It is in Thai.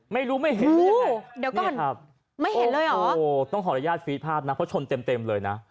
ไม่รู้ไม่เห็นไม่เห็นเลยหรอโอ้โหต้องขออนุญาตฟีดภาพนะเพราะชนเต็มเลยนะ